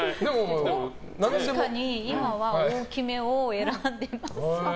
確かに今は大きめを選んでます。